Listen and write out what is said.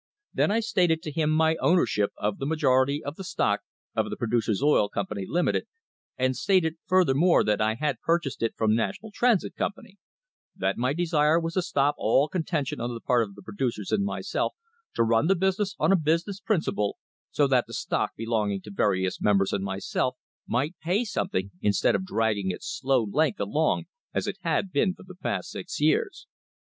Then I stated to him my ownership of the majority of the stock of the Producers' Oil Company, Limited, and stated furthermore that I purchased it from the National Transit Company; that my desire was to stop all contention on the part of the producers and myself, to run the business on a business principle, so that the stock belonging to the various members and myself might pay something, instead of dragging its slow length along as it had been for the past six years.